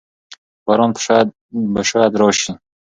باران به شاید راشي.